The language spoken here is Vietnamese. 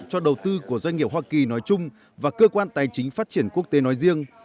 cho đầu tư của doanh nghiệp hoa kỳ nói chung và cơ quan tài chính phát triển quốc tế nói riêng